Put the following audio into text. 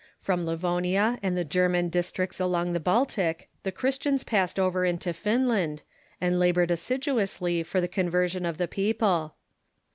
From Livonia and the German districts along the Baltic the Christians passed over into Finland, and labored assiduously for the conversion of the people.